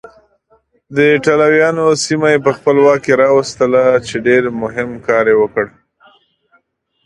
ایټالویانو سیمه یې په خپل واک کې راوستله چې ډېر مهم کار یې وکړ.